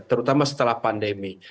terutama setelah pandemi